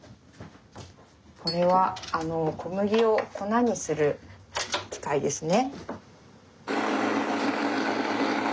これは小麦を粉にする機械ですね。